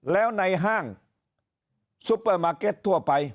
แล้วในห้างซุปเปอร์มาร์เก็ตทั่วไป